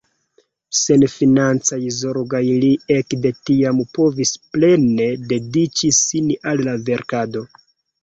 Sen financaj zorgoj li ekde tiam povis plene dediĉi sin al la verkado.